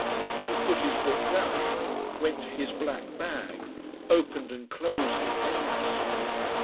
He put his book down, went to his black bag, opened and closed it aimlessly.